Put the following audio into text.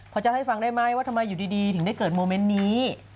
พอจะให้ฟังได้ไหมว่าทำไมอยู่ดีถึงได้เกิดโมเมนต์นี้